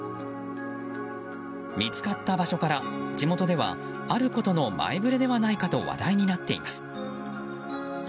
見つかった場所から地元ではあることの前触れではないかと話題になっています。